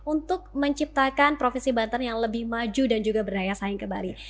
untuk menciptakan provinsi bantan yang lebih maju dan juga berdaya saing kembali